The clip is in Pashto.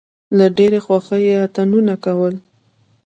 له ډېرې خوښۍ یې اتڼونه کول.